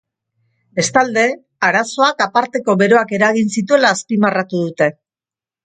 Bestalde, arazoak aparteko beroak eragin zituela azpimarratu dute.